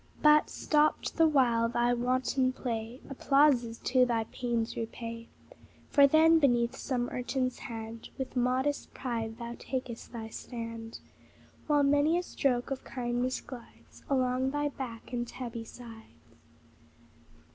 But, stopped the while thy wanton play, Applauses too thy pains repay: For then, beneath some urchin's hand With modest pride thou takest thy stand, While many a stroke of kindness glides Along thy back and tabby sides.